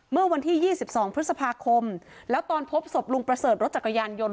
เมื่อวันที่๒๒พฤษภาคมแล้วตอนพบศพลุงประเสริฐรถจักรยานยนต์